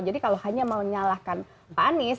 jadi kalau hanya mau menyalahkan pak anies